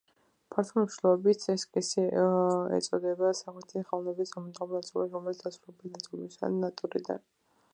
ფართო მნიშვნელობით ესკიზი ეწოდება სახვითი ხელოვნების დაუმთავრებელ ნაწარმოებს, რომელიც შესრულებულია წარმოსახვით ან ნატურიდან.